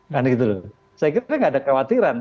saya kira tidak ada kekhawatiran